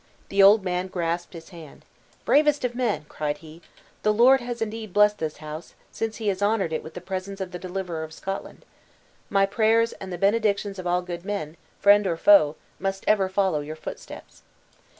The old man grasped his hand. "Bravest of men!" cried he, "the Lord has indeed blessed this house, since he has honored it with the presence of the deliverer of Scotland! My prayers, and the benedictions of all good men, friend or foe, must ever follow your footsteps!"